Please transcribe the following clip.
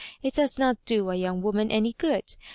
It does not do a young woman any good.